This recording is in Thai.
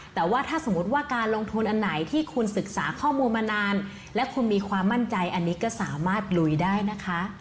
แต่ว่าถ้าสมมุติว่าการลงทุนอันไหนที่คุณศึกษาข้อมูลมานานและคุณมีความมั่นใจอันนี้ก็สามารถลุยได้นะคะ